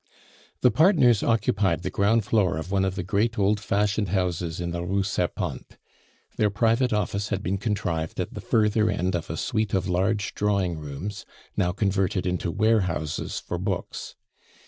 The partners occupied the ground floor of one of the great old fashioned houses in the Rue Serpente; their private office had been contrived at the further end of a suite of large drawing rooms, now converted into warehouses for books.